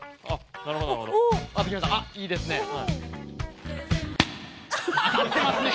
あっいいですね。